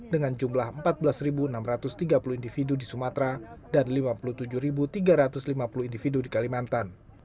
dengan jumlah empat belas enam ratus tiga puluh individu di sumatera dan lima puluh tujuh tiga ratus lima puluh individu di kalimantan